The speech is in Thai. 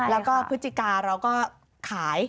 แล้วก็พฤศจิกาเราก็ขาย